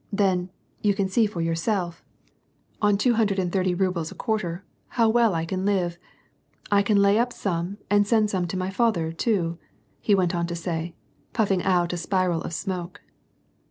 Then, you can see for yourself. WAR AND PEACE. 69 on two hundred and thirty rublrs a quarter, how well I can live. I can lay up some and send some to my father, too/' he went on to say, puffing out a spiral of smoke.